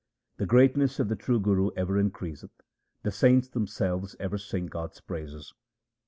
The greatness of the true Guru ever increaseth ; the saints themselves ever sing God's praises.